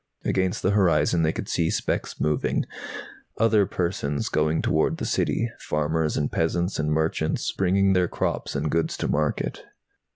Against the horizon they could see specks moving, other persons going toward the City, farmers and peasants and merchants, bringing their crops and goods to market.